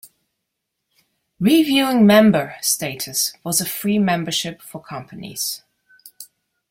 "Reviewing member" status was a free membership for companies.